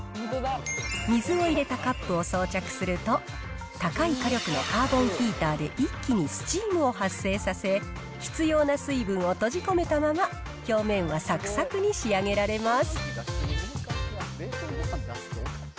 水を入れたカップを装着すると、高い火力のカーボンヒーターで一気にスチームを発生させ、必要な水分を閉じ込めたまま、表面はさくさくに仕上げられます。